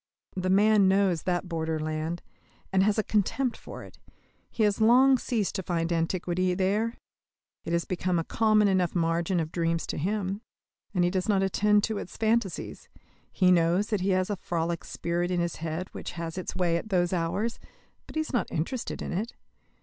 The man knows that borderland, and has a contempt for it: he has long ceased to find antiquity there. It has become a common enough margin of dreams to him; and he does not attend to its phantasies. He knows that he has a frolic spirit in his head which has its way at those hours, but he is not interested in it.